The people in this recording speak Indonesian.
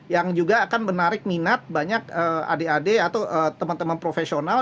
yang juga akan menarik minat banyak adik adik atau teman teman profesional